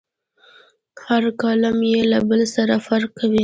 هر کالم یې له بل سره فرق کوي.